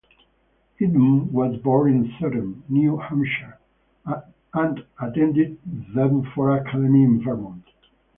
Eaton was born in Sutton, New Hampshire, and attended Thetford Academy in Vermont.